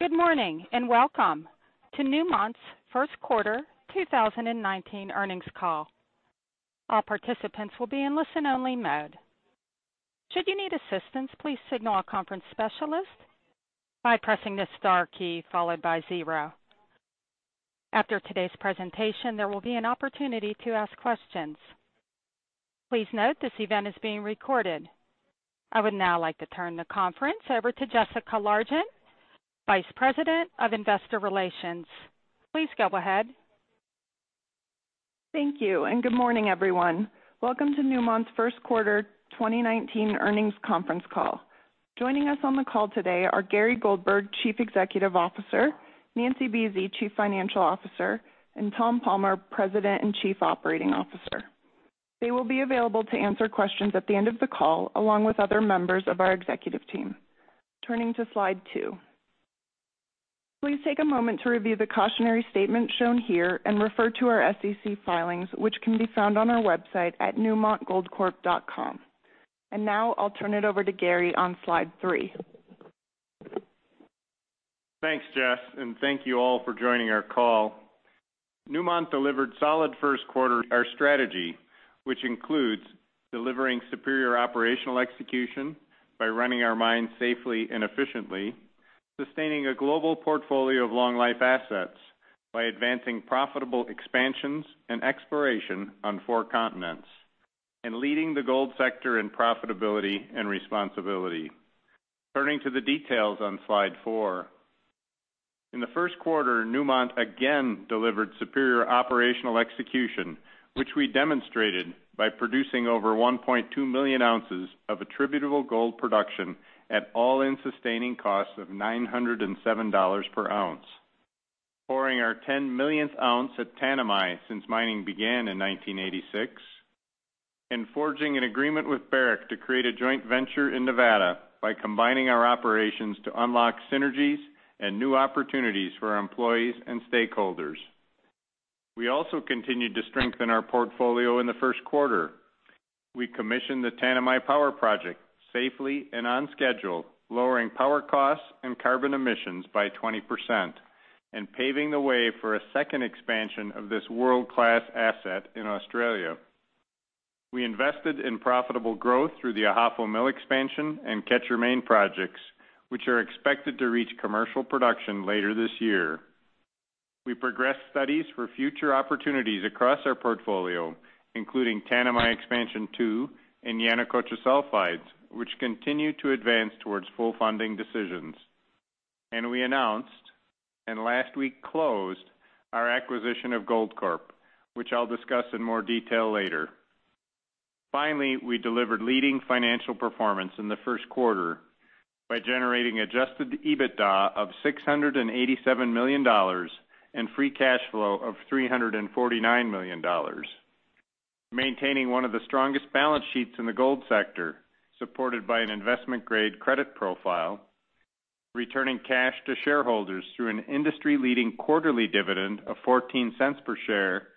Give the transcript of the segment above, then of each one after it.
Good morning. Welcome to Newmont's first quarter 2019 earnings call. All participants will be in listen-only mode. Should you need assistance, please signal a conference specialist by pressing the star key followed by zero. After today's presentation, there will be an opportunity to ask questions. Please note this event is being recorded. I would now like to turn the conference over to Jessica Largent, Vice President of Investor Relations. Please go ahead. Thank you. Good morning, everyone. Welcome to Newmont's first quarter 2019 earnings conference call. Joining us on the call today are Gary Goldberg, Chief Executive Officer, Nancy Buese, Chief Financial Officer, and Tom Palmer, President and Chief Operating Officer. They will be available to answer questions at the end of the call, along with other members of our executive team. Turning to slide two. Please take a moment to review the cautionary statement shown here and refer to our SEC filings which can be found on our website at newmontgoldcorp.com. Now I'll turn it over to Gary on slide three. Thanks, Jess. Thank you all for joining our call. Newmont delivered solid first quarter. Our strategy, which includes delivering superior operational execution by running our mines safely and efficiently, sustaining a global portfolio of long-life assets by advancing profitable expansions and exploration on four continents, and leading the gold sector in profitability and responsibility. Turning to the details on slide four. In the first quarter, Newmont again delivered superior operational execution, which we demonstrated by producing over 1.2 million ounces of attributable gold production at all-in sustaining costs of $907 per ounce, pouring our 10 millionth ounce at Tanami since mining began in 1986, forging an agreement with Barrick to create a joint venture in Nevada by combining our operations to unlock synergies and new opportunities for our employees and stakeholders. We also continued to strengthen our portfolio in the first quarter. We commissioned the Tanami Power Project safely and on schedule, lowering power costs and carbon emissions by 20% and paving the way for a second expansion of this world-class asset in Australia. We invested in profitable growth through the Ahafo Mill Expansion and Quecher Main projects, which are expected to reach commercial production later this year. We progressed studies for future opportunities across our portfolio, including Tanami Expansion Two and Yanacocha Sulfides, which continue to advance towards full funding decisions. We announced, and last week closed, our acquisition of Goldcorp, which I'll discuss in more detail later. We delivered leading financial performance in the first quarter by generating adjusted EBITDA of $687 million and free cash flow of $349 million, maintaining one of the strongest balance sheets in the gold sector, supported by an investment-grade credit profile, returning cash to shareholders through an industry-leading quarterly dividend of $0.14 per share,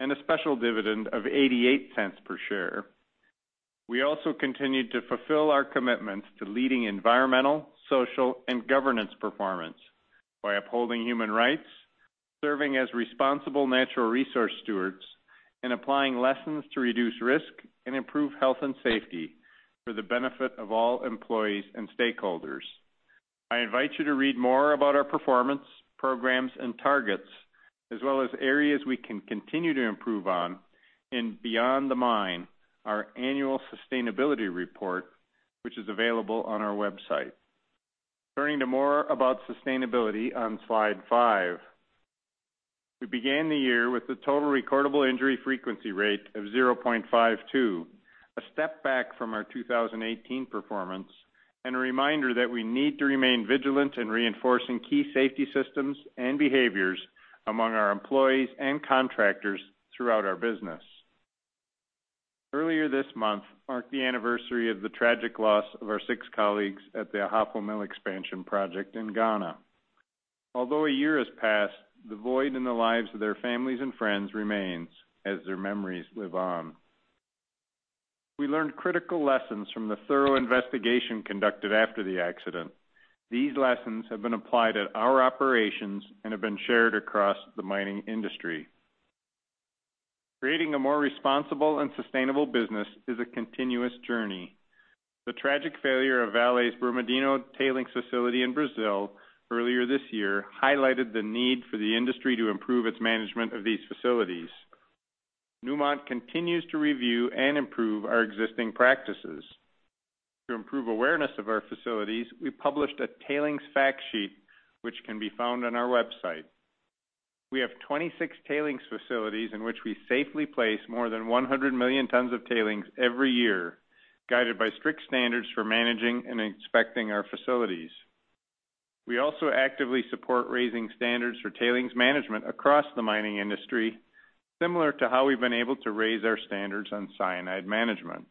and a special dividend of $0.88 per share. We also continued to fulfill our commitments to leading environmental, social, and governance performance by upholding human rights, serving as responsible natural resource stewards, and applying lessons to reduce risk and improve health and safety for the benefit of all employees and stakeholders. I invite you to read more about our performance, programs, and targets, as well as areas we can continue to improve on in Beyond the Mine, our annual sustainability report, which is available on our website. Turning to more about sustainability on slide five. We began the year with a total recordable injury frequency rate of 0.52, a step back from our 2018 performance, and a reminder that we need to remain vigilant in reinforcing key safety systems and behaviors among our employees and contractors throughout our business. Earlier this month marked the anniversary of the tragic loss of our six colleagues at the Ahafo Mill Expansion project in Ghana. Although a year has passed, the void in the lives of their families and friends remains, as their memories live on. We learned critical lessons from the thorough investigation conducted after the accident. These lessons have been applied at our operations and have been shared across the mining industry. Creating a more responsible and sustainable business is a continuous journey. The tragic failure of Vale's Brumadinho tailings facility in Brazil earlier this year highlighted the need for the industry to improve its management of these facilities. Newmont continues to review and improve our existing practices. To improve awareness of our facilities, we published a tailings fact sheet, which can be found on our website. We have 26 tailings facilities in which we safely place more than 100 million tons of tailings every year, guided by strict standards for managing and inspecting our facilities. We also actively support raising standards for tailings management across the mining industry, similar to how we've been able to raise our standards on cyanide management.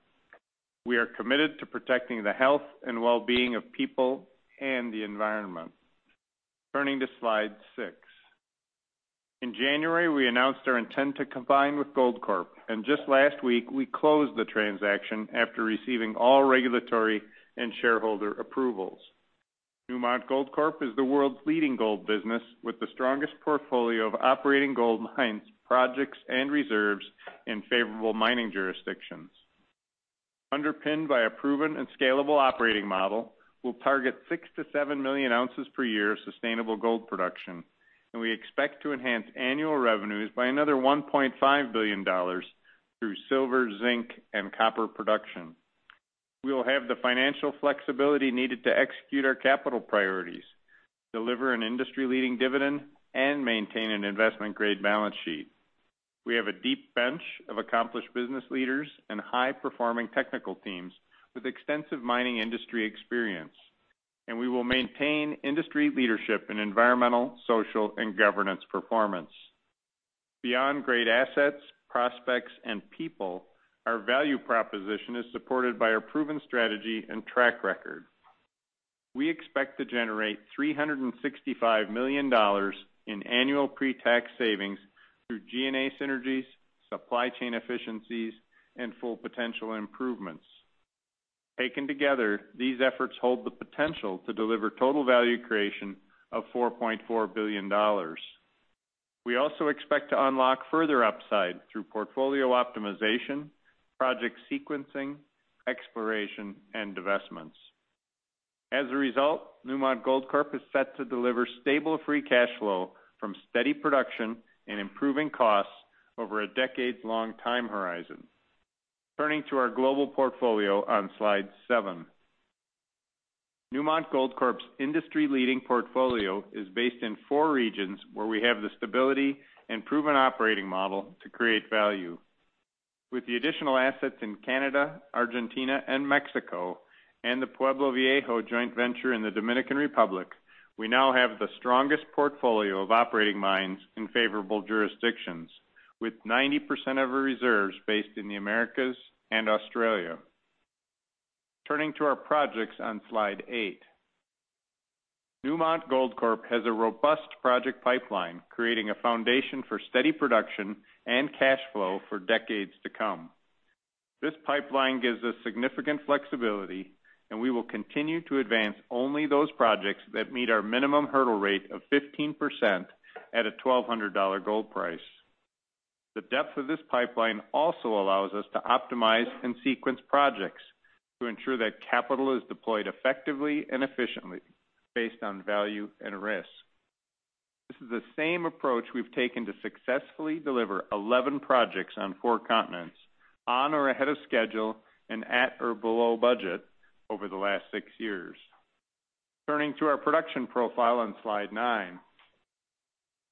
We are committed to protecting the health and well-being of people and the environment. Turning to slide six. In January, we announced our intent to combine with Goldcorp, and just last week, we closed the transaction after receiving all regulatory and shareholder approvals. Newmont Goldcorp is the world's leading gold business with the strongest portfolio of operating gold mines, projects, and reserves in favorable mining jurisdictions. Underpinned by a proven and scalable operating model, we'll target six to seven million ounces per year sustainable gold production, and we expect to enhance annual revenues by another $1.5 billion through silver, zinc, and copper production. We will have the financial flexibility needed to execute our capital priorities, deliver an industry-leading dividend, and maintain an an investment-grade balance sheet. We have a deep bench of accomplished business leaders and high-performing technical teams with extensive mining industry experience, and we will maintain industry leadership in environmental, social, and governance performance. Beyond great assets, prospects, and people, our value proposition is supported by our proven strategy and track record. We expect to generate $365 million in annual pre-tax savings through G&A synergies, supply chain efficiencies, and Full Potential improvements. Taken together, these efforts hold the potential to deliver total value creation of $4.4 billion. We also expect to unlock further upside through portfolio optimization, project sequencing, exploration, and divestments. As a result, Newmont Goldcorp is set to deliver stable free cash flow from steady production and improving costs over a decades-long time horizon. Turning to our global portfolio on slide seven. Newmont Goldcorp's industry-leading portfolio is based in four regions where we have the stability and proven operating model to create value. With the additional assets in Canada, Argentina, and Mexico, and the Pueblo Viejo joint venture in the Dominican Republic, we now have the strongest portfolio of operating mines in favorable jurisdictions, with 90% of our reserves based in the Americas and Australia. Turning to our projects on slide eight. Newmont Goldcorp has a robust project pipeline, creating a foundation for steady production and cash flow for decades to come. This pipeline gives us significant flexibility, we will continue to advance only those projects that meet our minimum hurdle rate of 15% at a $1,200 gold price. The depth of this pipeline also allows us to optimize and sequence projects to ensure that capital is deployed effectively and efficiently based on value and risk. This is the same approach we've taken to successfully deliver 11 projects on four continents on or ahead of schedule and at or below budget over the last six years. Turning to our production profile on slide nine.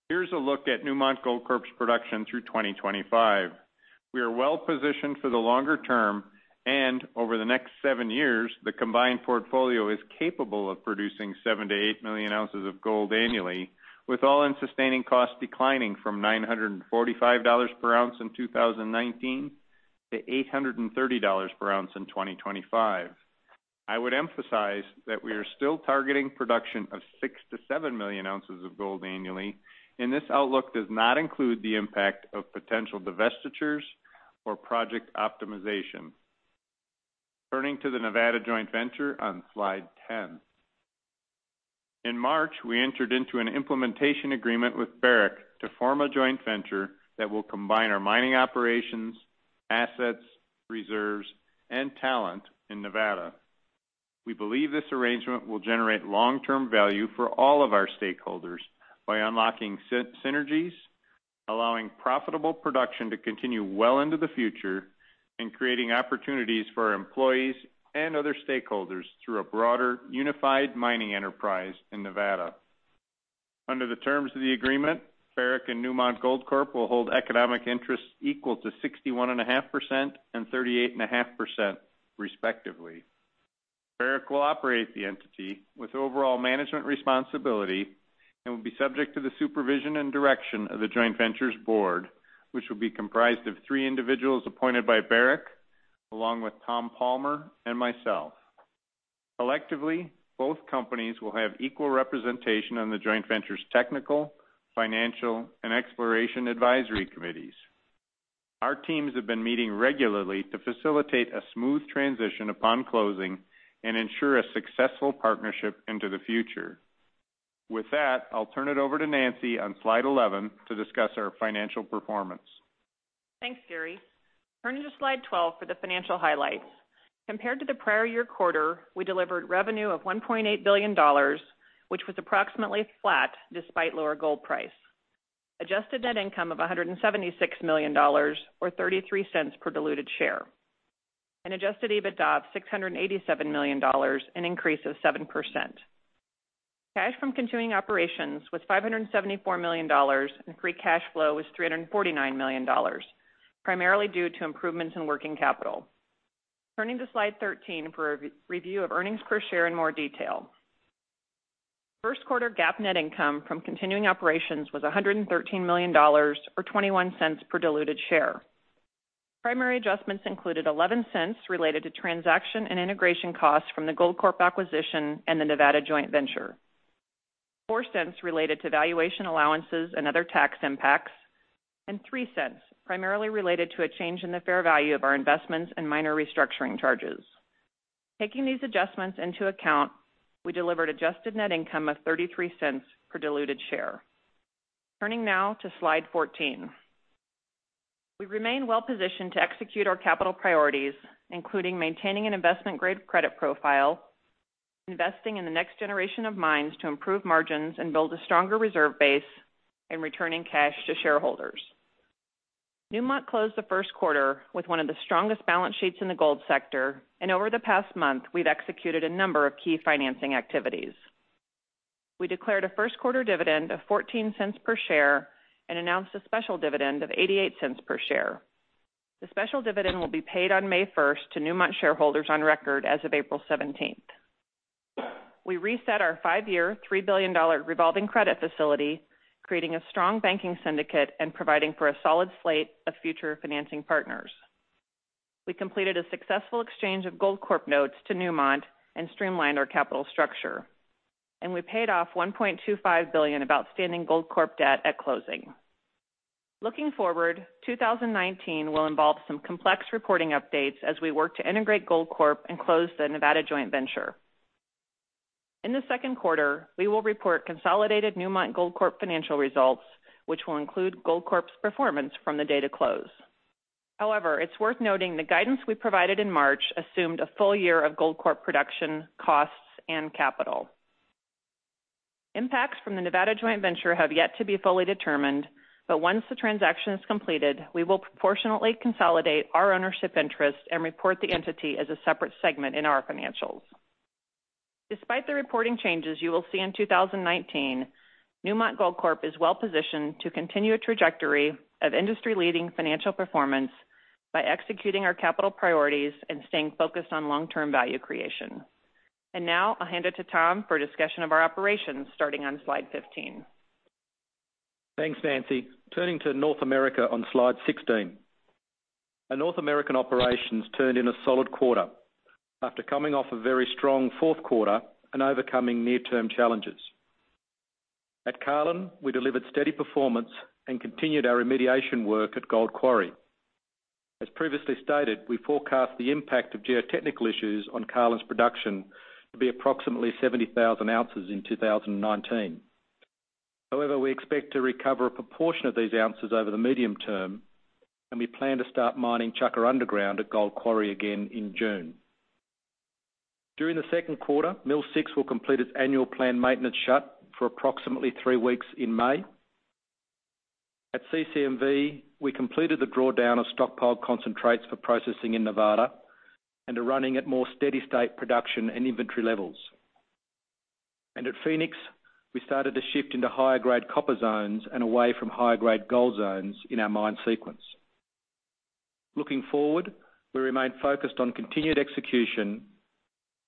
Here's a look at Newmont Goldcorp's production through 2025. We are well-positioned for the longer term, over the next seven years, the combined portfolio is capable of producing 7 million to 8 million ounces of gold annually, with all-in sustaining costs declining from $945 per ounce in 2019 to $830 per ounce in 2025. I would emphasize that we are still targeting production of 6 million to 7 million ounces of gold annually, and this outlook does not include the impact of potential divestitures or project optimization. Turning to the Nevada joint venture on slide 10. In March, we entered into an implementation agreement with Barrick to form a joint venture that will combine our mining operations, assets, reserves, and talent in Nevada. We believe this arrangement will generate long-term value for all of our stakeholders by unlocking synergies, allowing profitable production to continue well into the future, and creating opportunities for our employees and other stakeholders through a broader, unified mining enterprise in Nevada. Under the terms of the agreement, Barrick and Newmont Goldcorp will hold economic interests equal to 61.5% and 38.5%, respectively. Barrick will operate the entity with overall management responsibility and will be subject to the supervision and direction of the joint venture's board, which will be comprised of three individuals appointed by Barrick, along with Tom Palmer and myself. Collectively, both companies will have equal representation on the joint venture's technical, financial, and exploration advisory committees. Our teams have been meeting regularly to facilitate a smooth transition upon closing and ensure a successful partnership into the future. With that, I'll turn it over to Nancy on slide 11 to discuss our financial performance. Thanks, Gary. Turning to slide 12 for the financial highlights. Compared to the prior year quarter, we delivered revenue of $1.8 billion, which was approximately flat despite lower gold price. Adjusted net income of $176 million, or $0.33 per diluted share, and adjusted EBITDA of $687 million, an increase of 7%. Cash from continuing operations was $574 million, and free cash flow was $349 million, primarily due to improvements in working capital. Turning to slide 13 for a review of earnings per share in more detail. First quarter GAAP net income from continuing operations was $113 million, or $0.21 per diluted share. Primary adjustments included $0.11 related to transaction and integration costs from the Goldcorp acquisition and the Nevada joint venture. $0.04 related to valuation allowances and other tax impacts, and $0.03 primarily related to a change in the fair value of our investments and minor restructuring charges. Taking these adjustments into account, we delivered adjusted net income of $0.33 per diluted share. Turning now to slide 14. We remain well-positioned to execute our capital priorities, including maintaining an investment-grade credit profile, investing in the next generation of mines to improve margins and build a stronger reserve base, and returning cash to shareholders. Newmont closed the first quarter with one of the strongest balance sheets in the gold sector, and over the past month, we've executed a number of key financing activities. We declared a first quarter dividend of $0.14 per share and announced a special dividend of $0.88 per share. The special dividend will be paid on May 1st to Newmont shareholders on record as of April 17th. We reset our five-year, $3 billion revolving credit facility, creating a strong banking syndicate and providing for a solid slate of future financing partners. We completed a successful exchange of Goldcorp notes to Newmont and streamlined our capital structure. We paid off $1.25 billion of outstanding Goldcorp debt at closing. Looking forward, 2019 will involve some complex reporting updates as we work to integrate Goldcorp and close the Nevada joint venture. In the second quarter, we will report consolidated Newmont Goldcorp financial results, which will include Goldcorp's performance from the date of close. However, it's worth noting the guidance we provided in March assumed a full year of Goldcorp production costs and capital. Impacts from the Nevada joint venture have yet to be fully determined, but once the transaction is completed, we will proportionately consolidate our ownership interest and report the entity as a separate segment in our financials. Despite the reporting changes you will see in 2019, Newmont Goldcorp is well-positioned to continue a trajectory of industry-leading financial performance by executing our capital priorities and staying focused on long-term value creation. Now I'll hand it to Tom for a discussion of our operations, starting on slide 15. Thanks, Nancy. Turning to North America on slide 16. Our North American operations turned in a solid quarter after coming off a very strong fourth quarter and overcoming near-term challenges. At Carlin, we delivered steady performance and continued our remediation work at Gold Quarry. As previously stated, we forecast the impact of geotechnical issues on Carlin's production to be approximately 70,000 ounces in 2019. However, we expect to recover a proportion of these ounces over the medium term, and we plan to start mining Chukar underground at Gold Quarry again in June. During the second quarter, Mill Six will complete its annual planned maintenance shut for approximately three weeks in May. At CC&V, we completed the drawdown of stockpiled concentrates for processing in Nevada and are running at more steady state production and inventory levels. At Phoenix, we started to shift into higher grade copper zones and away from higher grade gold zones in our mine sequence. Looking forward, we remain focused on continued execution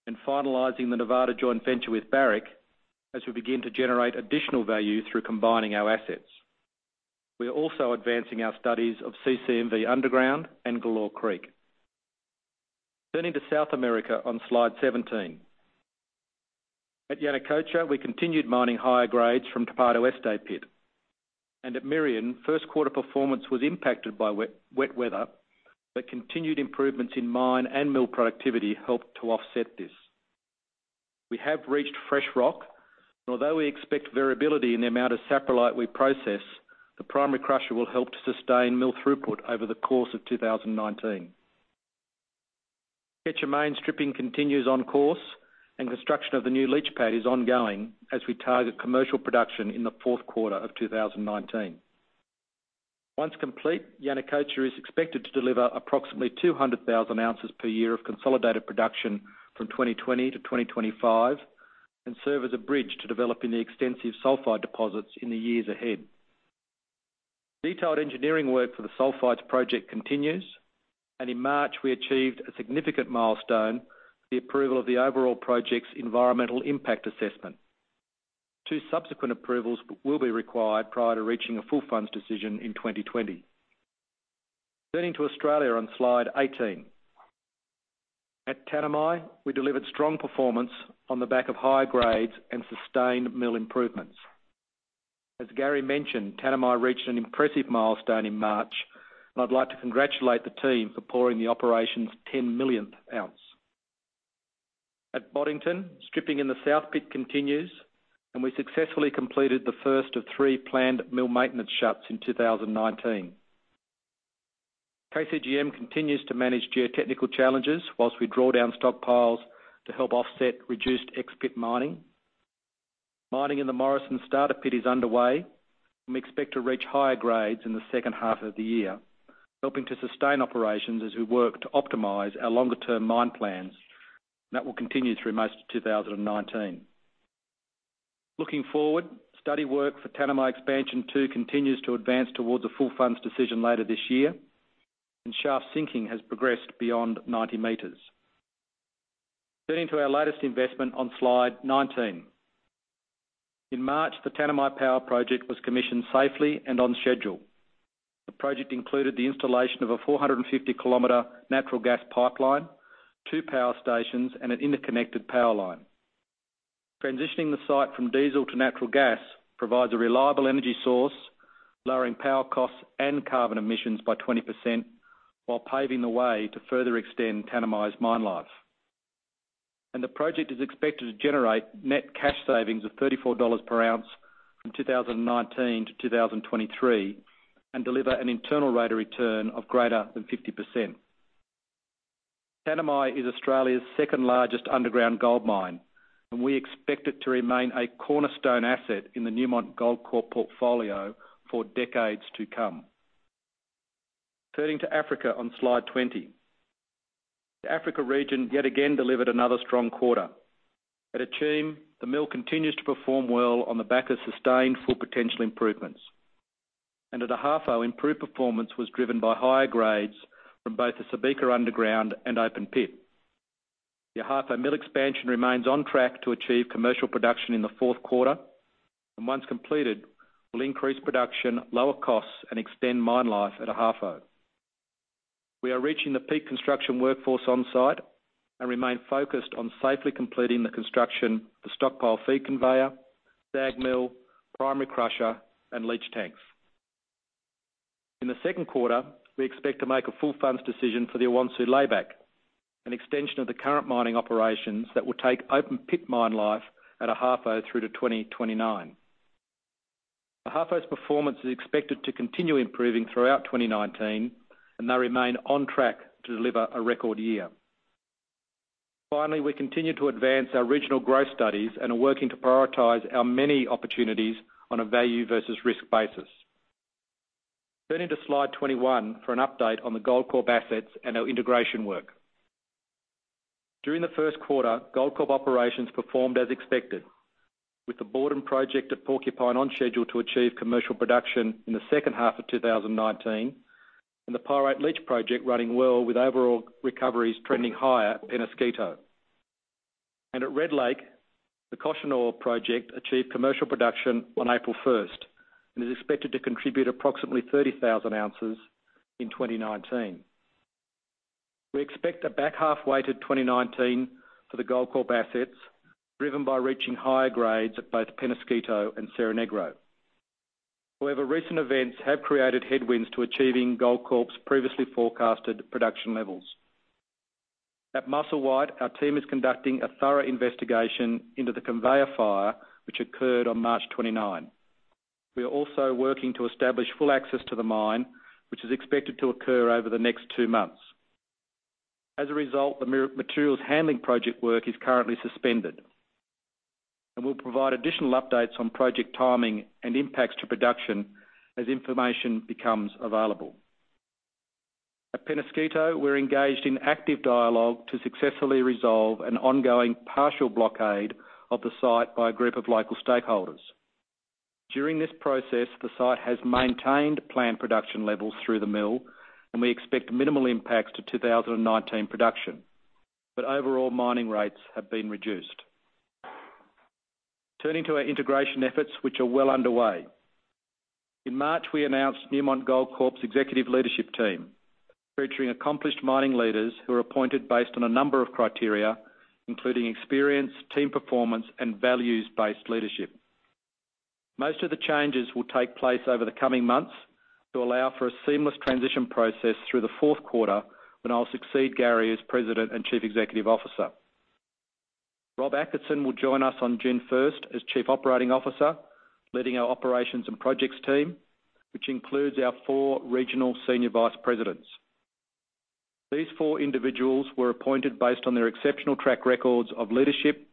and finalizing the Nevada joint venture with Barrick as we begin to generate additional value through combining our assets. We are also advancing our studies of CC&V underground and Galore Creek. Turning to South America on slide 17. At Yanacocha, we continued mining higher grades from Topacio Este Open Pit. At Merian, first quarter performance was impacted by wet weather, but continued improvements in mine and mill productivity helped to offset this. We have reached fresh rock, and although we expect variability in the amount of saprolite we process, the primary crusher will help to sustain mill throughput over the course of 2019. Quecher Main stripping continues on course, and construction of the new leach pad is ongoing as we target commercial production in the fourth quarter of 2019. Once complete, Yanacocha is expected to deliver approximately 200,000 ounces per year of consolidated production from 2020 to 2025 and serve as a bridge to developing the extensive sulfide deposits in the years ahead. Detailed engineering work for the sulfides project continues, and in March we achieved a significant milestone, the approval of the overall project's environmental impact assessment. Two subsequent approvals will be required prior to reaching a full funds decision in 2020. Turning to Australia on slide 18. At Tanami, we delivered strong performance on the back of high grades and sustained mill improvements. As Gary mentioned, Tanami reached an impressive milestone in March, and I'd like to congratulate the team for pouring the operation's 10 millionth ounce. At Boddington, stripping in the South Pit continues. We successfully completed the first of three planned mill maintenance shuts in 2019. KCGM continues to manage geotechnical challenges while we draw down stockpiles to help offset reduced X-pit mining. Mining in the Morrison Starter Pit is underway. We expect to reach higher grades in the second half of the year, helping to sustain operations as we work to optimize our longer term mine plans. That will continue through most of 2019. Looking forward, study work for Tanami Expansion 2 continues to advance towards a full funds decision later this year, and shaft sinking has progressed beyond 90 meters. Turning to our latest investment on slide 19. In March, the Tanami Power Project was commissioned safely and on schedule. The project included the installation of a 450-kilometer natural gas pipeline, two power stations, and an interconnected power line. Transitioning the site from diesel to natural gas provides a reliable energy source, lowering power costs and carbon emissions by 20%, while paving the way to further extend Tanami's mine life. The project is expected to generate net cash savings of $34 per ounce from 2019 to 2023, and deliver an internal rate of return of greater than 50%. Tanami is Australia's second-largest underground gold mine. We expect it to remain a cornerstone asset in the Newmont Goldcorp portfolio for decades to come. Turning to Africa on slide 20. The Africa region yet again delivered another strong quarter. At Akyem, the mill continues to perform well on the back of sustained Full Potential improvements. At Ahafo, improved performance was driven by higher grades from both the Subika underground and open pit. The Ahafo Mill Expansion remains on track to achieve commercial production in the fourth quarter. Once completed, will increase production, lower costs, and extend mine life at Ahafo. We are reaching the peak construction workforce on-site and remain focused on safely completing the construction, the stockpile feed conveyor, SAG mill, primary crusher, and leach tanks. In the second quarter, we expect to make a full funds decision for the Apensu Layback, an extension of the current mining operations that will take open pit mine life at Ahafo through to 2029. Ahafo's performance is expected to continue improving throughout 2019. They remain on track to deliver a record year. Finally, we continue to advance our regional growth studies and are working to prioritize our many opportunities on a value versus risk basis. Turning to slide 21 for an update on the Goldcorp assets and our integration work. During the first quarter, Goldcorp operations performed as expected, with the Borden project at Porcupine on schedule to achieve commercial production in the second half of 2019. The Pyrite Leach project running well with overall recoveries trending higher in Peñasquito. At Red Lake, the Cochenour project achieved commercial production on April 1st and is expected to contribute approximately 30,000 ounces in 2019. We expect a back-half weight in 2019 for the Goldcorp assets, driven by reaching higher grades at both Peñasquito and Cerro Negro. However, recent events have created headwinds to achieving Goldcorp's previously forecasted production levels. At Musselwhite, our team is conducting a thorough investigation into the conveyor fire which occurred on March 29. We are also working to establish full access to the mine, which is expected to occur over the next two months. As a result, the materials handling project work is currently suspended. We'll provide additional updates on project timing and impacts to production as information becomes available. At Peñasquito, we're engaged in active dialogue to successfully resolve an ongoing partial blockade of the site by a group of local stakeholders. During this process, the site has maintained plant production levels through the mill, we expect minimal impacts to 2019 production. Overall mining rates have been reduced. Turning to our integration efforts, which are well underway. In March, we announced Newmont Goldcorp's Executive Leadership Team, featuring accomplished mining leaders who are appointed based on a number of criteria, including experience, team performance, and values-based leadership. Most of the changes will take place over the coming months to allow for a seamless transition process through the fourth quarter, when I'll succeed Gary as President and Chief Executive Officer. Rob Atkinson will join us on June 1st as Chief Operating Officer, leading our operations and projects team, which includes our four Regional Senior Vice Presidents. These four individuals were appointed based on their exceptional track records of leadership,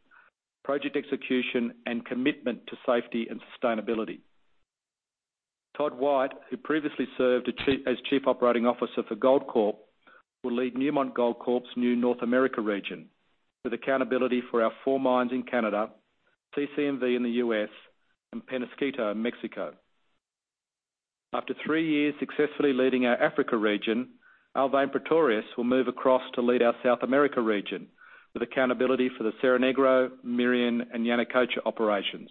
project execution, and commitment to safety and sustainability. Todd White, who previously served as Chief Operating Officer for Goldcorp, will lead Newmont Goldcorp's new North America Region with accountability for our four mines in Canada, CC&V in the U.S., and Peñasquito in Mexico. After three years successfully leading our Africa Region, Alwyn Pretorius will move across to lead our South America Region with accountability for the Cerro Negro, Merian, and Yanacocha operations.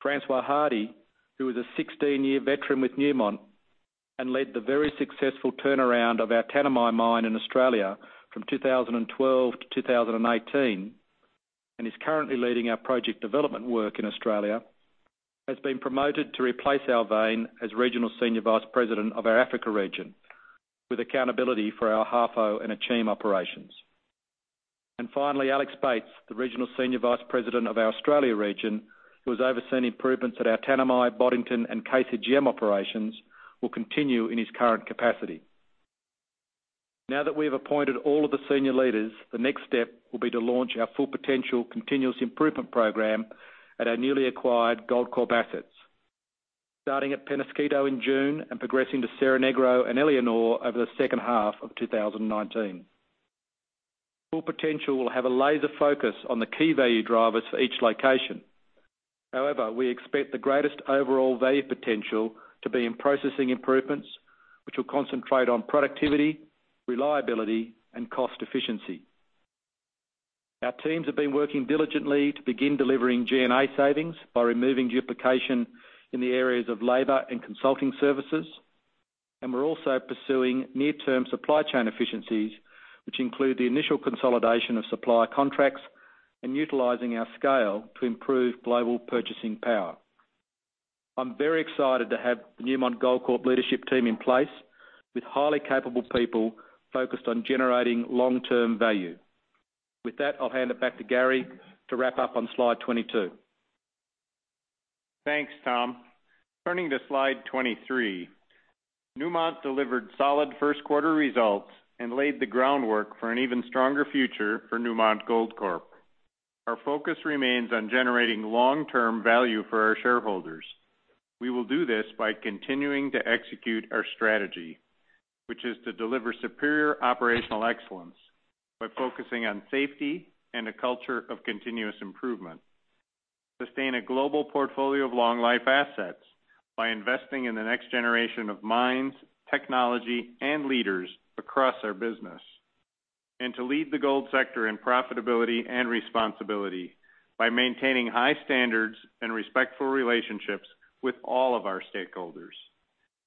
Francois Hardy, who is a 16-year veteran with Newmont and led the very successful turnaround of our Tanami mine in Australia from 2012 to 2018 and is currently leading our project development work in Australia, has been promoted to replace Alwyn as Regional Senior Vice President of our Africa Region with accountability for our Ahafo and Akyem operations. Finally, Alex Bates, the Regional Senior Vice President of our Australia Region, who has overseen improvements at our Tanami, Boddington, and KCGM operations, will continue in his current capacity. Now that we have appointed all of the senior leaders, the next step will be to launch our Full Potential continuous improvement program at our newly acquired Goldcorp assets. Starting at Peñasquito in June and progressing to Cerro Negro and Éléonore over the second half of 2019. Full Potential will have a laser focus on the key value drivers for each location. However, we expect the greatest overall value potential to be in processing improvements, which will concentrate on productivity, reliability, and cost efficiency. Our teams have been working diligently to begin delivering G&A savings by removing duplication in the areas of labor and consulting services, we're also pursuing near-term supply chain efficiencies, which include the initial consolidation of supplier contracts and utilizing our scale to improve global purchasing power. I'm very excited to have the Newmont Goldcorp leadership team in place, with highly capable people focused on generating long-term value. With that, I'll hand it back to Gary to wrap up on slide 22. Thanks, Tom. Turning to slide 23. Newmont delivered solid first-quarter results and laid the groundwork for an even stronger future for Newmont Goldcorp. Our focus remains on generating long-term value for our shareholders. We will do this by continuing to execute our strategy, which is to deliver superior operational excellence by focusing on safety and a culture of continuous improvement. Sustain a global portfolio of long-life assets by investing in the next generation of mines, technology, and leaders across our business. To lead the gold sector in profitability and responsibility by maintaining high standards and respectful relationships with all of our stakeholders.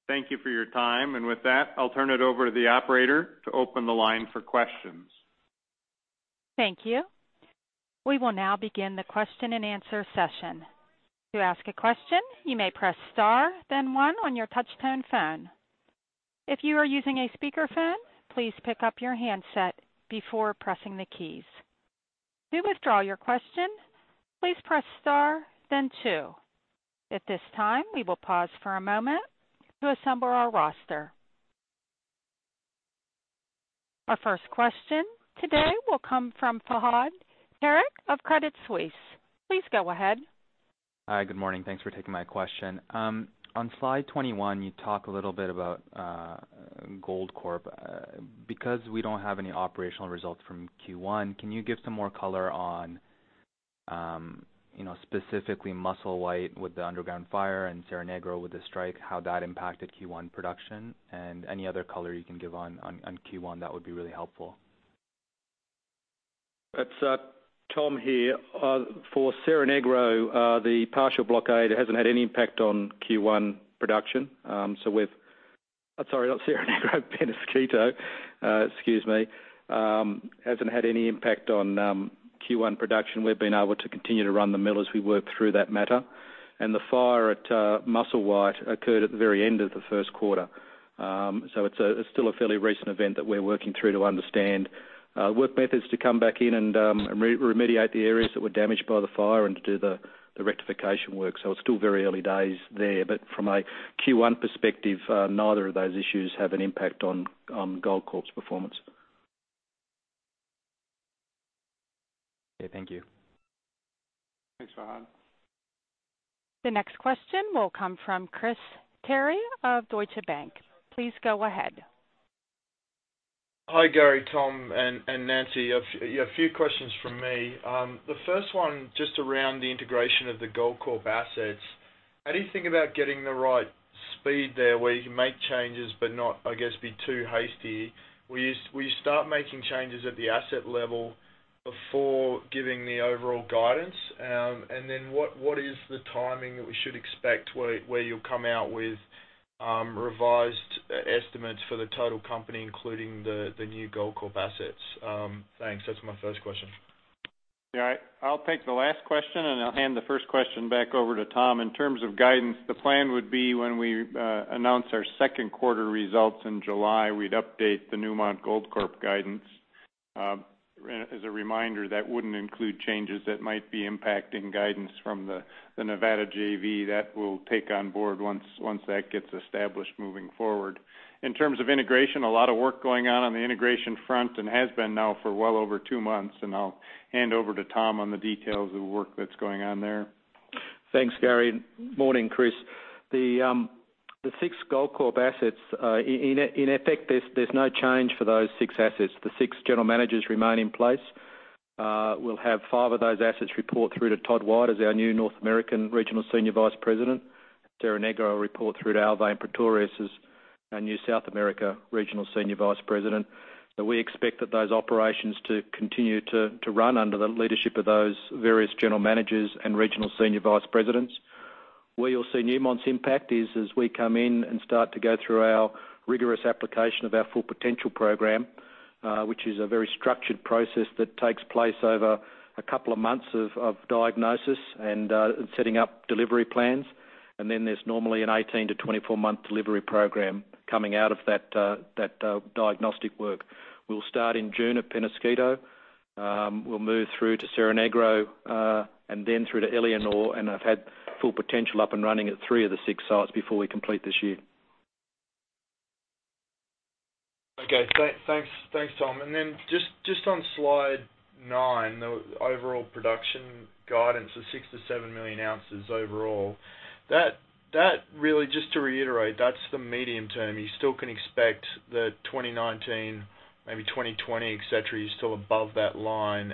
Thank you for your time, and with that, I'll turn it over to the operator to open the line for questions. Thank you. We will now begin the question and answer session. To ask a question, you may press star then one on your touch-tone phone. If you are using a speakerphone, please pick up your handset before pressing the keys. To withdraw your question, please press star then two. At this time, we will pause for a moment to assemble our roster. Our first question today will come from Fahad Tariq of Credit Suisse. Please go ahead. Hi. Good morning. Thanks for taking my question. On slide 21, you talk a little bit about Goldcorp. Because we don't have any operational results from Q1, can you give some more color on, specifically Musselwhite with the underground fire and Cerro Negro with the strike, how that impacted Q1 production? Any other color you can give on Q1 that would be really helpful. It's Tom here. For Cerro Negro, the partial blockade hasn't had any impact on Q1 production. I'm sorry, not Cerro Negro, Peñasquito. Excuse me. Hasn't had any impact on Q1 production. We've been able to continue to run the mill as we work through that matter. The fire at Musselwhite occurred at the very end of the first-quarter. It's still a fairly recent event that we're working through to understand work methods to come back in and remediate the areas that were damaged by the fire and to do the rectification work. It's still very early days there. From a Q1 perspective, neither of those issues have an impact on Goldcorp's performance. Okay, thank you. Thanks, Fahad. The next question will come from Christopher Terry of Deutsche Bank. Please go ahead. Hi, Gary, Tom, and Nancy. A few questions from me. The first one just around the integration of the Goldcorp assets. How do you think about getting the right speed there where you can make changes but not, I guess, be too hasty? Will you start making changes at the asset level before giving the overall guidance? What is the timing that we should expect where you'll come out with revised estimates for the total company, including the new Goldcorp assets? Thanks. That's my first question. Yeah. I'll take the last question, and I'll hand the first question back over to Tom. In terms of guidance, the plan would be when we announce our second quarter results in July, we'd update the Newmont Goldcorp guidance. As a reminder, that wouldn't include changes that might be impacting guidance from the Nevada JV. That we'll take on board once that gets established moving forward. In terms of integration, a lot of work going on on the integration front and has been now for well over two months, and I'll hand over to Tom on the details of the work that's going on there. Thanks, Gary. Morning, Chris. The six Goldcorp assets, in effect, there's no change for those six assets. The six general managers remain in place. We'll have five of those assets report through to Todd White as our new North American Regional Senior Vice President. Cerro Negro will report through to Alwyn Pretorius as our new South America Regional Senior Vice President. We expect those operations to continue to run under the leadership of those various general managers and Regional Senior Vice Presidents. Where you'll see Newmont's impact is as we come in and start to go through our rigorous application of our Full Potential program, which is a very structured process that takes place over a couple of months of diagnosis and setting up delivery plans. Then there's normally an 18 to 24-month delivery program coming out of that diagnostic work. We'll start in June at Peñasquito. We'll move through to Cerro Negro, and then through to Éléonore, and have had Full Potential up and running at three of the six sites before we complete this year. Okay. Thanks, Tom. Then just on slide nine, the overall production guidance of six to seven million ounces overall. That really, just to reiterate, that's the medium term. You still can expect that 2019, maybe 2020, et cetera, you're still above that line.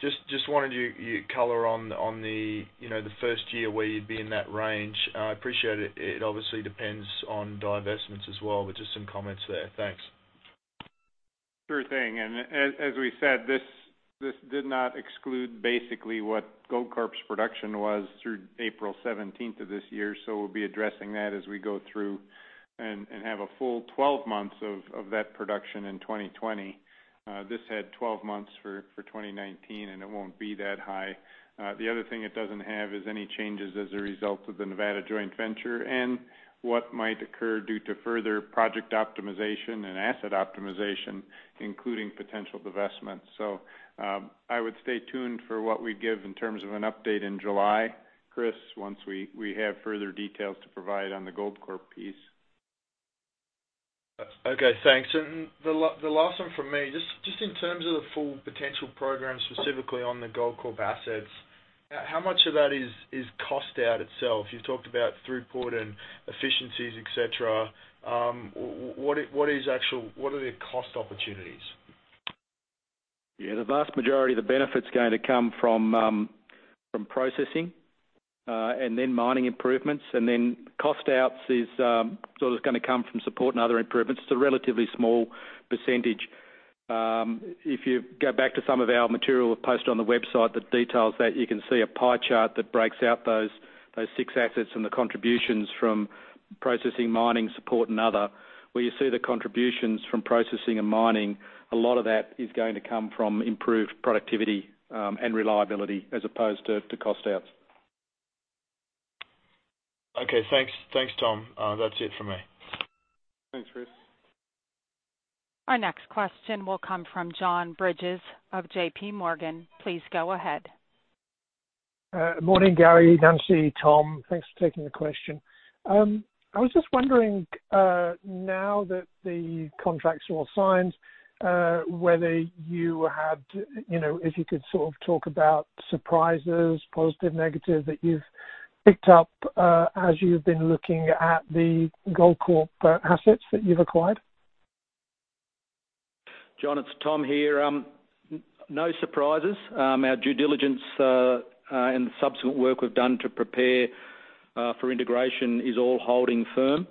Just wanted your color on the first year where you'd be in that range. I appreciate it. It obviously depends on divestments as well, but just some comments there. Thanks. Sure thing. As we said, this did not exclude basically what Goldcorp's production was through April 17th of this year. We'll be addressing that as we go through and have a full 12 months of that production in 2020. This had 12 months for 2019, and it won't be that high. The other thing it doesn't have is any changes as a result of the Nevada joint venture and what might occur due to further project optimization and asset optimization, including potential divestments. I would stay tuned for what we give in terms of an update in July, Chris, once we have further details to provide on the Goldcorp piece. Okay, thanks. The last one from me, just in terms of the Full Potential program specifically on the Goldcorp assets, how much of that is cost out itself? You've talked about throughput and efficiencies, et cetera. What are the cost opportunities? Yeah, the vast majority of the benefit's going to come from processing, and then mining improvements, and then cost outs is sort of going to come from support and other improvements. It's a relatively small percentage. If you go back to some of our material posted on the website that details that, you can see a pie chart that breaks out those six assets and the contributions from processing, mining, support, and other. Where you see the contributions from processing and mining, a lot of that is going to come from improved productivity, and reliability as opposed to cost outs. Okay, thanks Tom. That's it for me. Thanks, Chris. Our next question will come from John Bridges of JPMorgan. Please go ahead. Morning, Gary, Nancy, Tom. Thanks for taking the question. I was just wondering, now that the contracts are all signed, if you could sort of talk about surprises, positive, negative, that you've picked up, as you've been looking at the Goldcorp assets that you've acquired? John, it's Tom here. No surprises. Our due diligence and the subsequent work we've done to prepare for integration is all holding firm.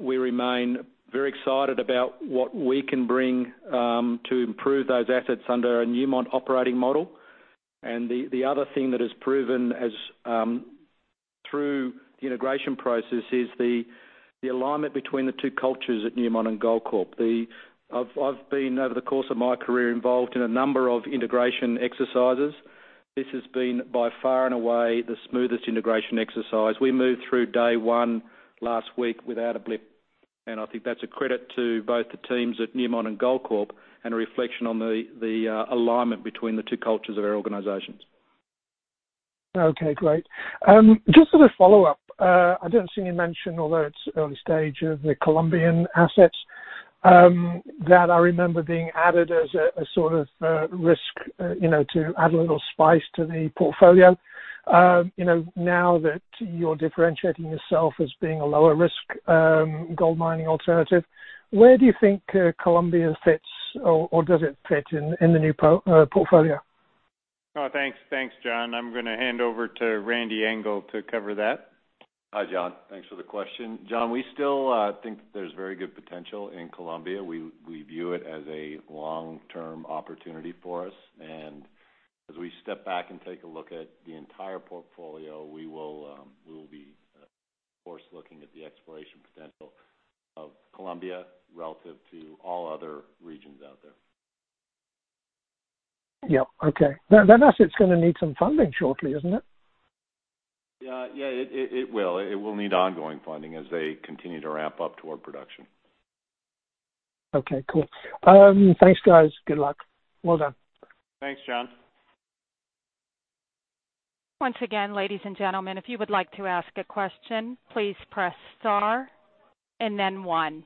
We remain very excited about what we can bring to improve those assets under a Newmont operating model. The other thing that has proven through the integration process is the alignment between the two cultures at Newmont and Goldcorp. I've been, over the course of my career, involved in a number of integration exercises. This has been by far and away, the smoothest integration exercise. We moved through day one last week without a blip, and I think that's a credit to both the teams at Newmont and Goldcorp, and a reflection on the alignment between the two cultures of our organizations. Okay, great. Just as a follow-up, I don't see you mention, although it's early stage, the Colombian assets, that I remember being added as a sort of risk, to add a little spice to the portfolio. Now that you're differentiating yourself as being a lower risk gold mining alternative, where do you think Colombia fits or does it fit in the new portfolio? Oh, thanks. Thanks, John. I'm gonna hand over to Randy Engel to cover that. Hi, John. Thanks for the question. John, we still think that there's very good potential in Colombia. We view it as a long-term opportunity for us. As we step back and take a look at the entire portfolio, we will be of course looking at the exploration potential of Colombia relative to all other regions out there. Yep, okay. That asset's gonna need some funding shortly, isn't it? Yeah. It will. It will need ongoing funding as they continue to ramp up toward production. Okay, cool. Thanks, guys. Good luck. Well done. Thanks, John. Once again, ladies and gentlemen, if you would like to ask a question, please press star and then one.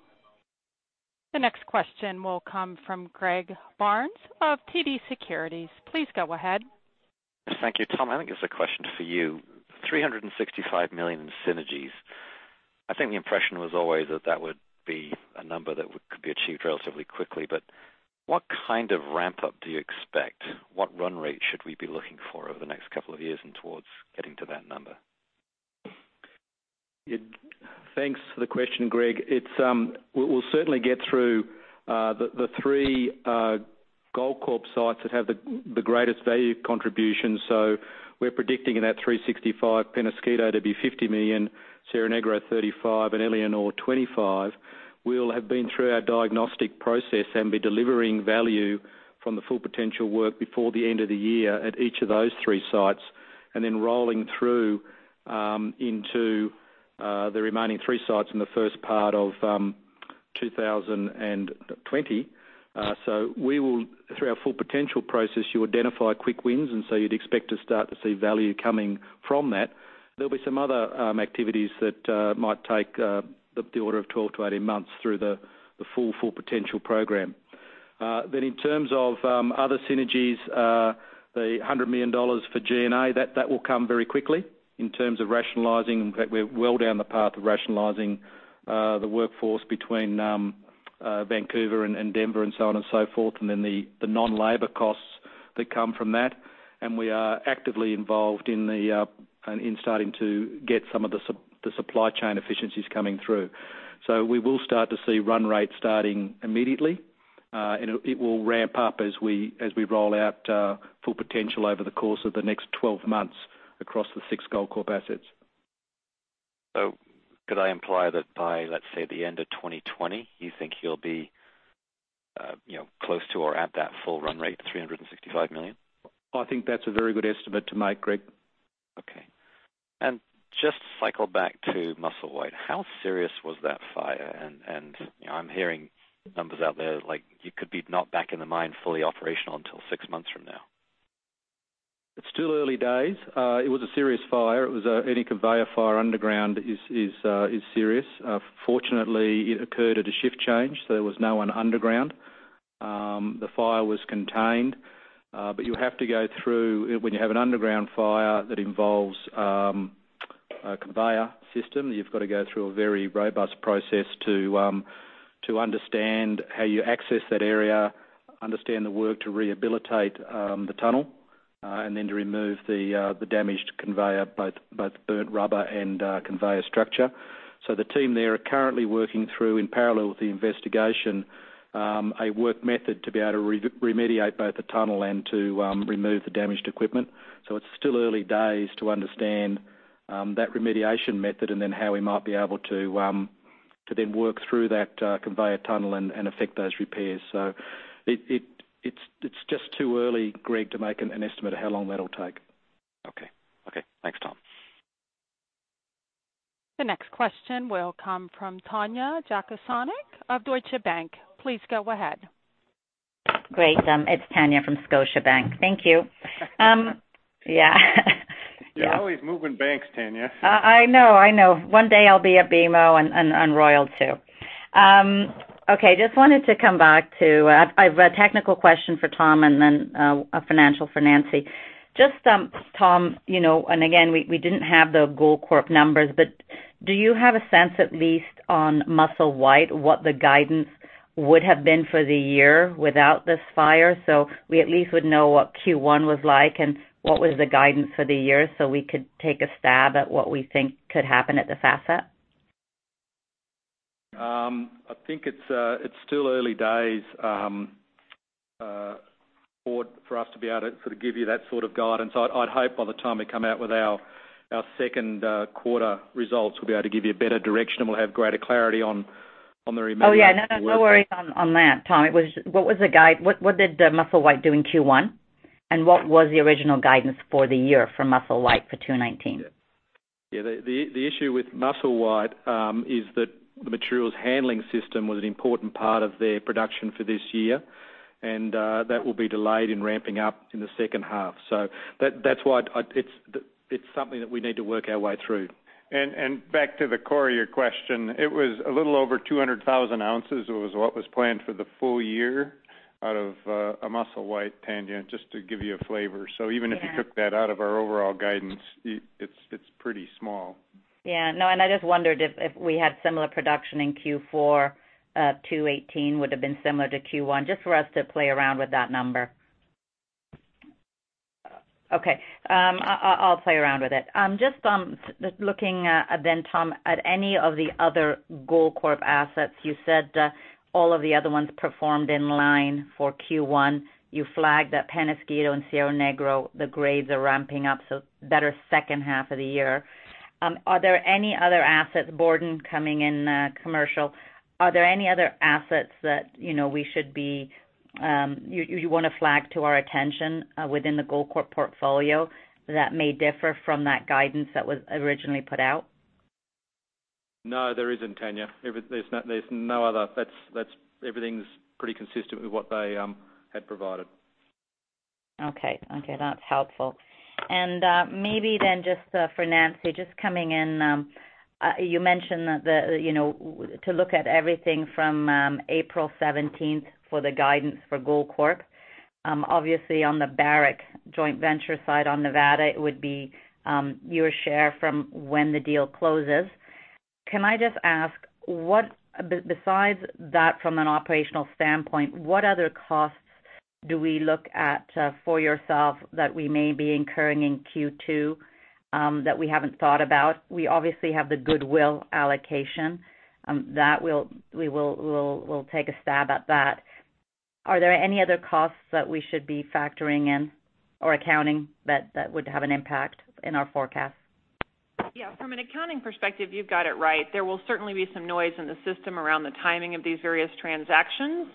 The next question will come from Greg Barnes of TD Securities. Please go ahead. Thank you. Tom Palmer, I think this is a question for you. $365 million synergies. I think the impression was always that that would be a number that could be achieved relatively quickly, what kind of ramp-up do you expect? What run rate should we be looking for over the next couple of years and towards getting to that number? Thanks for the question, Greg Barnes. We'll certainly get through the three Goldcorp sites that have the greatest value contribution. We're predicting in that $365 Peñasquito to be $50 million, Cerro Negro $35, and Éléonore $25. We'll have been through our diagnostic process and be delivering value from the Full Potential work before the end of the year at each of those three sites. Rolling through into the remaining three sites in the first part of 2020. We will, through our Full Potential process, you identify quick wins, you'd expect to start to see value coming from that. There'll be some other activities that might take the order of 12 to 18 months through the Full Potential program. In terms of other synergies, the $100 million for G&A, that will come very quickly in terms of rationalizing. In fact, we're well down the path of rationalizing the workforce Vancouver and Denver, and so on and so forth, and the non-labor costs that come from that. We are actively involved in starting to get some of the supply chain efficiencies coming through. We will start to see run rate starting immediately, and it will ramp up as we roll out Full Potential over the course of the next 12 months across the six Goldcorp assets. Could I imply that by, let's say, the end of 2020, you think you'll be close to or at that full run rate of $365 million? I think that's a very good estimate to make, Greg. Okay. Just cycle back to Musselwhite. How serious was that fire? I'm hearing numbers out there like you could be not back in the mine fully operational until six months from now. It's still early days. It was a serious fire. Any conveyor fire underground is serious. Fortunately, it occurred at a shift change, so there was no one underground. The fire was contained. When you have an underground fire that involves a conveyor system, you've got to go through a very robust process to understand how you access that area, understand the work to rehabilitate the tunnel, and then to remove the damaged conveyor, both burnt rubber and conveyor structure. The team there are currently working through, in parallel with the investigation, a work method to be able to remediate both the tunnel and to remove the damaged equipment. It's still early days to understand that remediation method and then how we might be able to then work through that conveyor tunnel and effect those repairs. It's just too early, Greg, to make an estimate of how long that'll take. Okay. Thanks, Tom. The next question will come from Tanya Jakusconek of Deutsche Bank. Please go ahead. Great. It's Tanya from Scotiabank. Thank you. Yeah. You're always moving banks, Tanya. I know. One day I'll be at BMO and Royal, too. Okay. Just wanted to come back to a technical question for Tom Palmer and then a financial for Nancy Buese. Just, Tom Palmer, and again, we didn't have the Goldcorp numbers, do you have a sense at least on Musselwhite what the guidance would have been for the year without this fire? We at least would know what Q1 was like and what was the guidance for the year, so we could take a stab at what we think could happen at the facet? I think it's still early days for us to be able to give you that sort of guidance. I'd hope by the time we come out with our second quarter results, we'll be able to give you a better direction, and we'll have greater clarity on the remediation work. Oh, yeah. No worries on that, Tom Palmer. What did Musselwhite do in Q1? What was the original guidance for the year for Musselwhite for 2019? Yeah. The issue with Musselwhite is that the materials handling system was an important part of their production for this year, and that will be delayed in ramping up in the second half. That's why it's something that we need to work our way through. Back to the core of your question, it was a little over 200,000 ounces was what was planned for the full year out of Musselwhite, Tanya Jakusconek, just to give you a flavor. Yeah. Even if you took that out of our overall guidance, it's pretty small. Yeah. No, I just wondered if we had similar production in Q4 2018, would've been similar to Q1, just for us to play around with that number. Okay. I'll play around with it. Just looking then, Tom, at any of the other Goldcorp assets. You said all of the other ones performed in line for Q1. You flagged that Peñasquito and Cerro Negro, the grades are ramping up, so better second half of the year. Borden coming in commercial. You want to flag to our attention within the Goldcorp portfolio that may differ from that guidance that was originally put out? No, there isn't, Tanya. Everything's pretty consistent with what they had provided. Okay. That's helpful. Maybe then just for Nancy, just coming in, you mentioned to look at everything from April 17th for the guidance for Goldcorp. Obviously, on the Barrick joint venture side on Nevada, it would be your share from when the deal closes. Can I just ask, besides that from an operational standpoint, what other costs do we look at for yourself that we may be incurring in Q2 that we haven't thought about? We obviously have the goodwill allocation. We'll take a stab at that. Are there any other costs that we should be factoring in or accounting that would have an impact in our forecast? Yeah. From an accounting perspective, you've got it right. There will certainly be some noise in the system around the timing of these various transactions,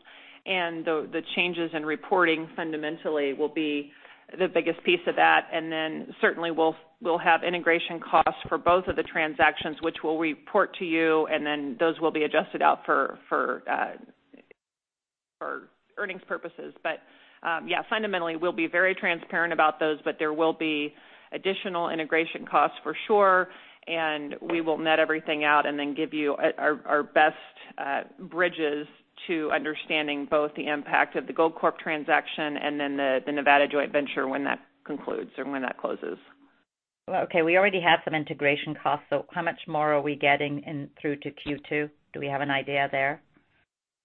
and the changes in reporting fundamentally will be the biggest piece of that. Certainly we'll have integration costs for both of the transactions, which we'll report to you, and then those will be adjusted out for earnings purposes. Yeah, fundamentally, we'll be very transparent about those, but there will be additional integration costs for sure, and we will net everything out and then give you our best bridges to understanding both the impact of the Goldcorp transaction and the Nevada joint venture when that concludes or when that closes. Okay. We already have some integration costs, how much more are we getting in through to Q2? Do we have an idea there?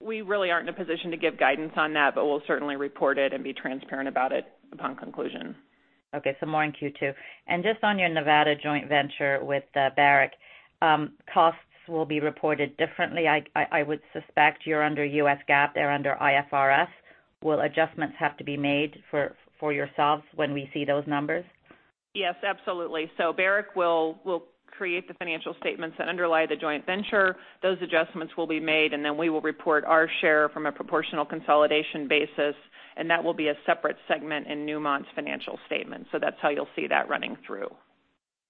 We really aren't in a position to give guidance on that, but we'll certainly report it and be transparent about it upon conclusion. Okay. More in Q2. Just on your Nevada joint venture with Barrick, costs will be reported differently. I would suspect you're under US GAAP, they're under IFRS. Will adjustments have to be made for yourselves when we see those numbers? Yes, absolutely. Barrick will create the financial statements that underlie the joint venture. Those adjustments will be made, and then we will report our share from a proportional consolidation basis, and that will be a separate segment in Newmont's financial statement. That's how you'll see that running through.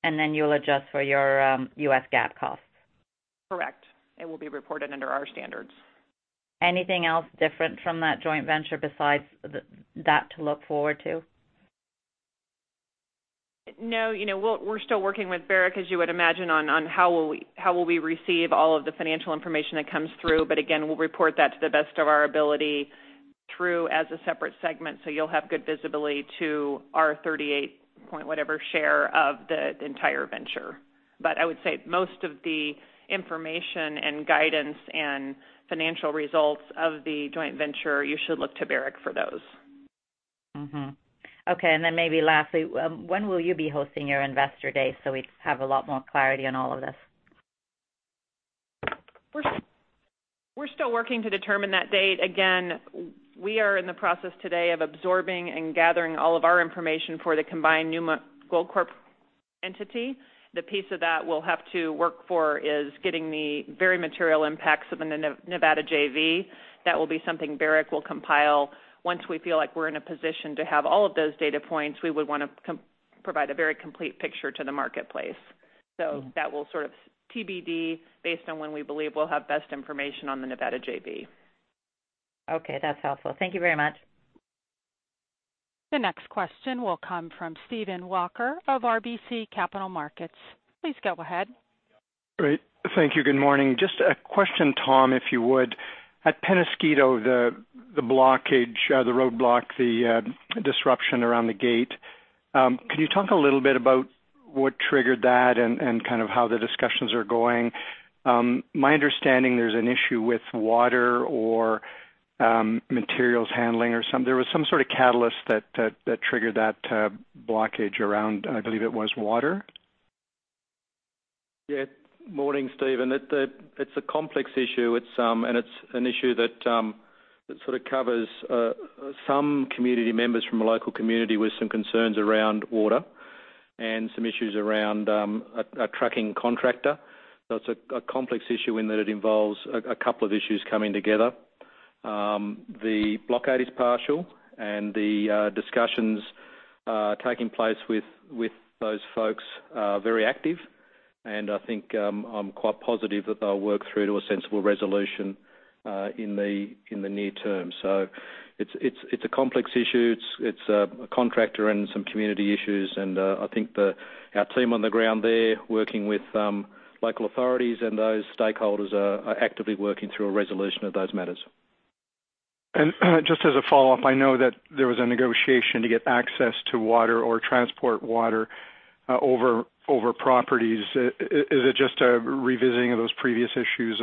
You'll adjust for your US GAAP costs. Correct. It will be reported under our standards. Anything else different from that joint venture besides that to look forward to? No. We're still working with Barrick, as you would imagine, on how will we receive all of the financial information that comes through. Again, we'll report that to the best of our ability through as a separate segment, so you'll have good visibility to our 38 point whatever share of the entire venture. I would say most of the information and guidance and financial results of the joint venture, you should look to Barrick for those. Mm-hmm. Okay, maybe lastly, when will you be hosting your investor day so we have a lot more clarity on all of this? We're still working to determine that date. Again, we are in the process today of absorbing and gathering all of our information for the combined Newmont Goldcorp entity. The piece of that we'll have to work for is getting the very material impacts of the Nevada JV. That will be something Barrick will compile. Once we feel like we're in a position to have all of those data points, we would want to provide a very complete picture to the marketplace. That will sort of TBD based on when we believe we'll have best information on the Nevada JV. Okay. That's helpful. Thank you very much. The next question will come from Stephen Walker of RBC Capital Markets. Please go ahead. Great. Thank you. Good morning. Just a question, Tom, if you would. At Peñasquito, the blockage, the roadblock, the disruption around the gate, can you talk a little bit about what triggered that and kind of how the discussions are going? My understanding, there's an issue with water or materials handling or something. There was some sort of catalyst that triggered that blockage around, I believe it was water? Yeah. Morning, Stephen. It's a complex issue. It's an issue that sort of covers some community members from a local community with some concerns around water and some issues around a trucking contractor. It's a complex issue in that it involves a couple of issues coming together. The blockade is partial. The discussions taking place with those folks are very active, and I think I'm quite positive that they'll work through to a sensible resolution in the near term. It's a complex issue. It's a contractor and some community issues, and I think our team on the ground there working with local authorities and those stakeholders are actively working through a resolution of those matters. Just as a follow-up, I know that there was a negotiation to get access to water or transport water over properties. Is it just a revisiting of those previous issues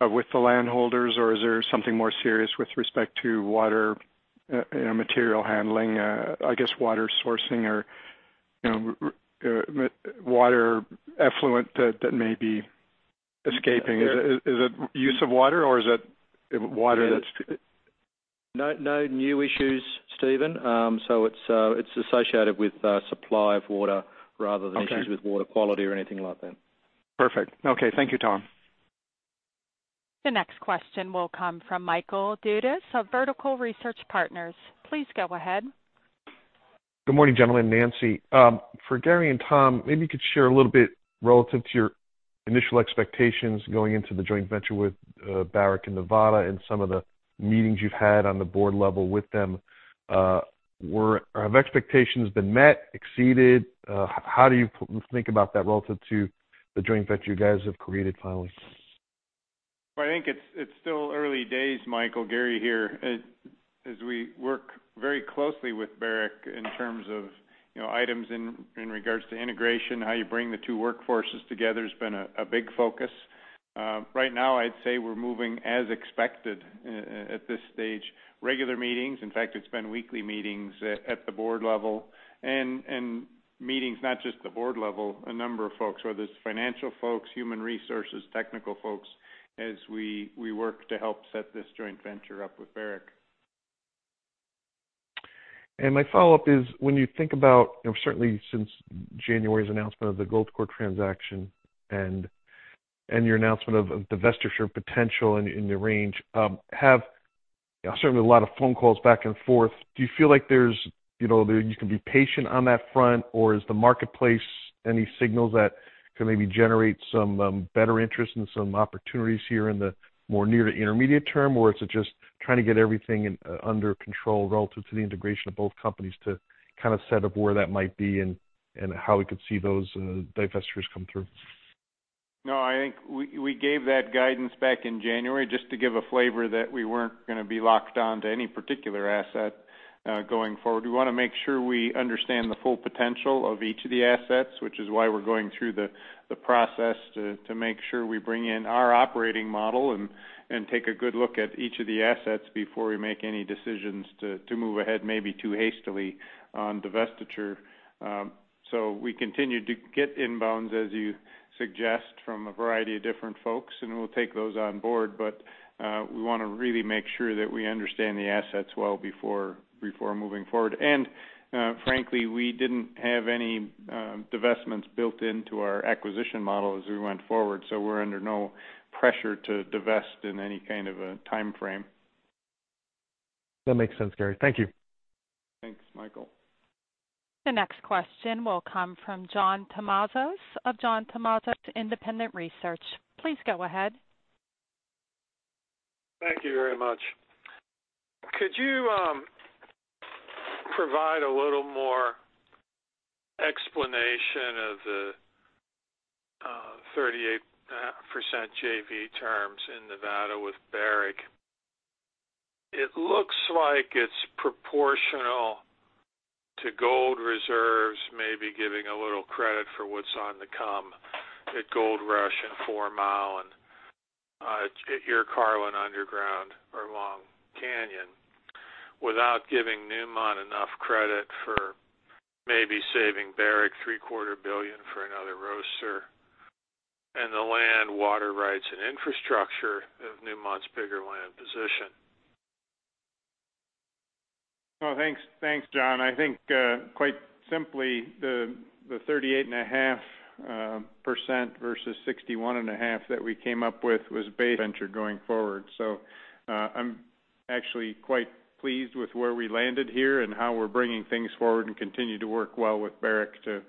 with the landholders, or is there something more serious with respect to water and material handling? I guess water sourcing or water effluent that may be escaping. Is it use of water or is it water that's? No new issues, Stephen. It's associated with supply of water rather than issues with water quality or anything like that. Perfect. Okay. Thank you, Tom. The next question will come from Michael Dudas of Vertical Research Partners. Please go ahead. Good morning, gentlemen. Nancy. For Gary and Tom, maybe you could share a little bit relative to your initial expectations going into the joint venture with Barrick and Nevada and some of the meetings you've had on the board level with them. Have expectations been met, exceeded? How do you think about that relative to the joint venture you guys have created finally? I think it's still early days, Michael. Gary here. As we work very closely with Barrick in terms of items in regards to integration, how you bring the two workforces together has been a big focus. Right now I'd say we're moving as expected at this stage. Regular meetings, in fact, it's been weekly meetings at the board level, meetings not just at the board level, a number of folks, whether it's financial folks, human resources, technical folks, as we work to help set this joint venture up with Barrick. My follow-up is when you think about, certainly since January's announcement of the Goldcorp transaction and your announcement of divestiture potential in the range, have certainly a lot of phone calls back and forth. Do you feel like you can be patient on that front, or is the marketplace any signals that can maybe generate some better interest and some opportunities here in the more near to intermediate term? Is it just trying to get everything under control relative to the integration of both companies to kind of set up where that might be and how we could see those divestitures come through? I think we gave that guidance back in January just to give a flavor that we weren't going to be locked on to any particular asset going forward. We want to make sure we understand the Full Potential of each of the assets, which is why we're going through the process to make sure we bring in our operating model and take a good look at each of the assets before we make any decisions to move ahead maybe too hastily on divestiture. We continue to get inbounds, as you suggest, from a variety of different folks, and we'll take those on board. We want to really make sure that we understand the assets well before moving forward. Frankly, we didn't have any divestments built into our acquisition model as we went forward. We're under no pressure to divest in any kind of a timeframe. That makes sense, Gary. Thank you. Thanks, Michael. The next question will come from John Tumazos of John Tumazos Independent Research. Please go ahead. Thank you very much. Could you provide a little more explanation of the 38.5% JV terms in Nevada with Barrick? It looks like it's proportional to gold reserves, maybe giving a little credit for what's on the come at Goldrush and Fourmile and at your Carlin underground or Long Canyon, without giving Newmont enough credit for maybe saving Barrick $300 million for another roaster and the land, water rights, and infrastructure of Newmont's bigger land position. Well, thanks, John. I think quite simply, the 38.5% versus 61.5% that we came up with was base venture going forward. I'm actually quite pleased with where we landed here and how we're bringing things forward and continue to work well with Barrick to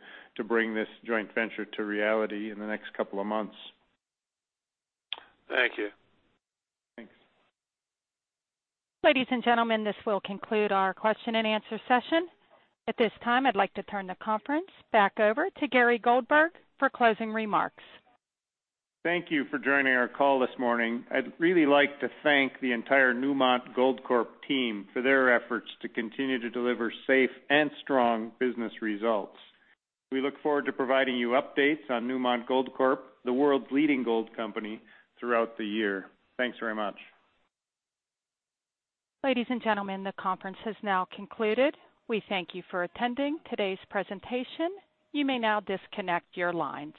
bring this joint venture to reality in the next couple of months. Thank you. Thanks. Ladies and gentlemen, this will conclude our question-and-answer session. At this time, I'd like to turn the conference back over to Gary Goldberg for closing remarks. Thank you for joining our call this morning. I'd really like to thank the entire Newmont Goldcorp team for their efforts to continue to deliver safe and strong business results. We look forward to providing you updates on Newmont Goldcorp, the world's leading gold company, throughout the year. Thanks very much. Ladies and gentlemen, the conference has now concluded. We thank you for attending today's presentation. You may now disconnect your lines.